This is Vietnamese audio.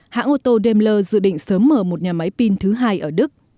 hãng ô tô damler dự định sớm mở một nhà máy pin thứ hai ở đức